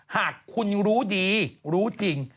หากคุณรู้ดีรู้จริง